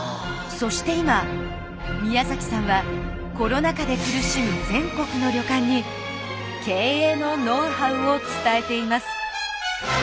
そして今宮さんはコロナ禍で苦しむ全国の旅館に経営のノウハウを伝えています。